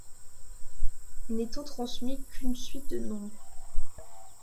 N'était transmis qu'une suite de nombres.